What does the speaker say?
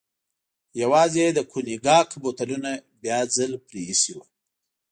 یوازې یې د کونیګاک بوتلونه بیا ځل پرې ایښي و.